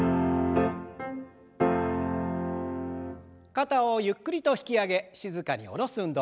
肩をゆっくりと引き上げ静かに下ろす運動。